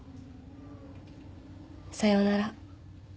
さようなら